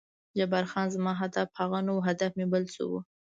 جبار خان: زما هدف هغه نه و، هدف مې بل څه و.